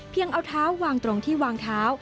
เอาเท้าวางตรงที่วางเท้า